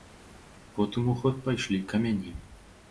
Потым у ход пайшлі камяні.